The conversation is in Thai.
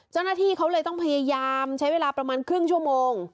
เจ้าหน้าที่เขาเลยต้องพยายามใช้เวลาประมาณครึ่งชั่วโมง